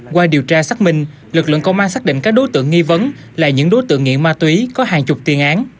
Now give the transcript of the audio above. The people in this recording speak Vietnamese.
qua điều tra xác minh lực lượng công an xác định các đối tượng nghi vấn là những đối tượng nghiện ma túy có hàng chục tiền án